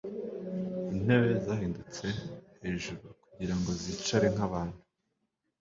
Intebe zahindutse hejuru kugirango zicare nkabantu